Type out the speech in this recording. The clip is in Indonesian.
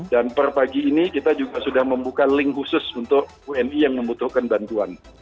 dan per pagi ini kita juga sudah membuka link khusus untuk wni yang membutuhkan bantuan